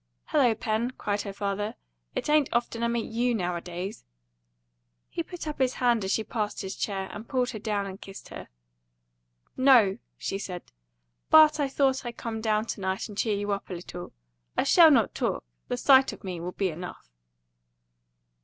"Hello, Pen!" cried her father. "It ain't often I meet YOU nowadays." He put up his hand as she passed his chair, and pulled her down and kissed her. "No," she said; "but I thought I'd come down to night and cheer you up a little. I shall not talk; the sight of me will be enough."